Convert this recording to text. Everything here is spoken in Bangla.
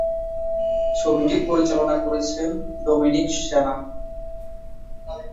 ছবিটি পরিচালনা করেছেন ডোমিনিক সেনা।